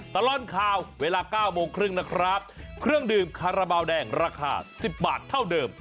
ตลอดข่าวเวลาเก้าโมงครึ่งนะครับเครื่องดื่มคาราบาลแดงราคา๑๐บาทเท่าเดิม